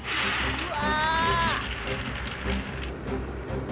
うわ！